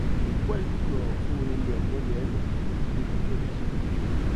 Les poils du corps sont de longueur moyenne et plutôt rigides.